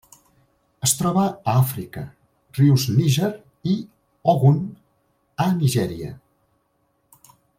Es troba a Àfrica: rius Níger i Ogun a Nigèria.